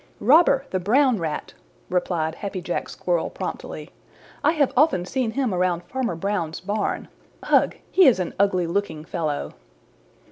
"Robber the Brown Rat," replied Happy Jack Squirrel promptly. "I have often seen him around Farmer Brown's barn. Ugh! He is an ugly looking fellow."